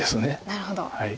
なるほど。